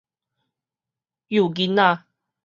幼囡仔